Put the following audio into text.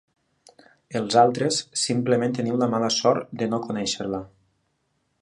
Els altres, simplement teniu la mala sort de no conèixer-la.